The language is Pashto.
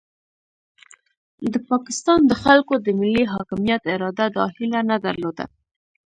د پاکستان د خلکو د ملي حاکمیت اراده دا هیله نه درلوده.